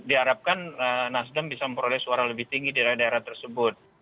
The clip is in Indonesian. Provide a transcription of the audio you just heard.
diharapkan nasdem bisa memperoleh suara lebih tinggi di daerah daerah tersebut